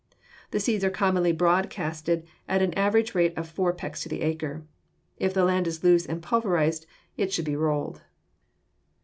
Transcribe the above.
The seeds are commonly broadcasted at an average rate of four pecks to the acre. If the land is loose and pulverized, it should be rolled.